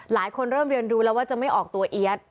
หลายคนเริ่มเรียนรู้แล้วว่าจะไม่ออกตัวเอี๊ยด